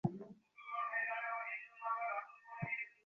এই বলিয়া সে দ্রুতবেগে চলিয়া গেল।